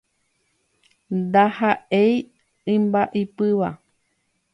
Ndahaʼéi imbaipýva.